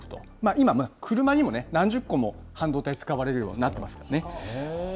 今、車にも何十個も半導体使われるようになってますからね。